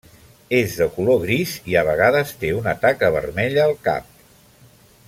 És de color gris i a vegades té una taca vermella al cap.